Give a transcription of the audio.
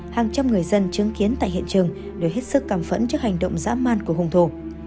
hàng trăm người dân chứng kiến tại hiện trường đều hết sức cằm phẫn trước hành động dã man của hùng thổ